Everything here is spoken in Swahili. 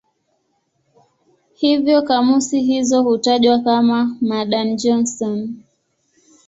Hivyo kamusi hizo hutajwa kama "Madan-Johnson".